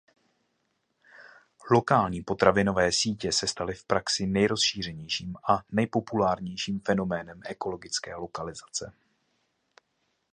Lokální potravinové sítě se staly v praxi nejrozšířenějším a nejpopulárnějším fenoménem ekologické lokalizace.